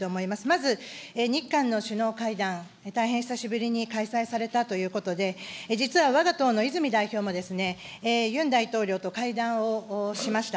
まず、日韓の首脳会談、大変久しぶりに開催されたということで、実はわが党のいずみ代表もユン大統領と会談をしました。